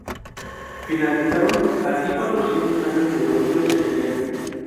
Finalizaron así cuatrocientos años de dominio señorial.